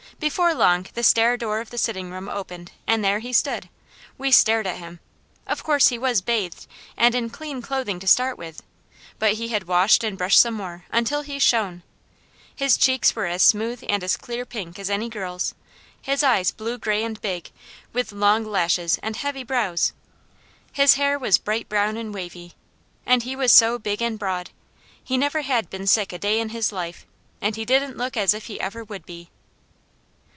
Before long the stair door of the sitting room opened, and there he stood. We stared at him. Of course he was bathed, and in clean clothing to start with, but he had washed and brushed some more, until he shone. His cheeks were as smooth and as clear pink as any girl's, his eyes blue gray and big, with long lashes and heavy brows. His hair was bright brown and wavy, and he was so big and broad. He never had been sick a day in his life, and he didn't look as if he ever would be.